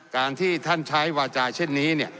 การที่ท่านใช้วาจาเช่นนี้